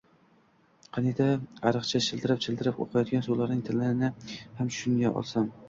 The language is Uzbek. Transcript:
Qaniydi, ariqda childirab-childirab oqayotgan suvlarning tilini ham tushuna olsam